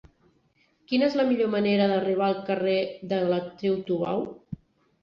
Quina és la millor manera d'arribar al carrer de l'Actriu Tubau?